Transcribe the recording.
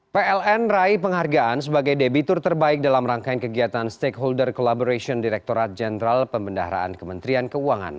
pln raih penghargaan sebagai debitur terbaik dalam rangkaian kegiatan stakeholder collaboration direkturat jenderal pembendaharaan kementerian keuangan